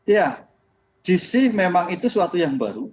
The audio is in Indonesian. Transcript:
ya gc memang itu suatu yang baru